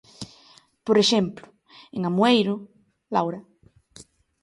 Por exemplo, en Amoeiro, Laura.